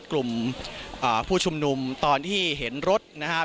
กลุ่มผู้ชุมนุมตอนที่เห็นรถนะครับ